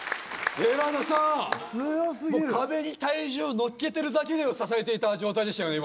寺田さん壁に体重をのっけてるだけで支えていた状態でしたよね